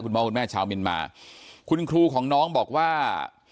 พ่อคุณแม่ชาวเมียนมาคุณครูของน้องบอกว่า